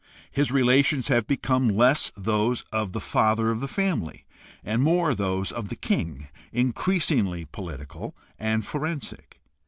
His relations have become less those of the father of the family and more those of the king, increasingly po litical and forensic.